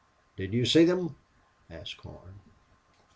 "Did you see them?" asked Horn.